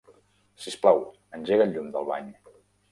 Sisplau, engega el llum del bany.